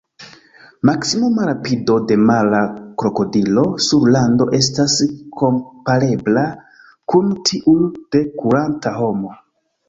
Maksimuma rapido de mara krokodilo sur lando estas komparebla kun tiu de kuranta homo.